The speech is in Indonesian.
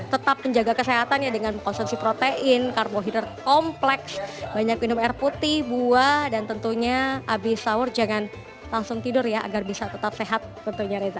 tetap menjaga kesehatan ya dengan konsumsi protein karbohidrat kompleks banyak minum air putih buah dan tentunya abis sahur jangan langsung tidur ya agar bisa tetap sehat tentunya reza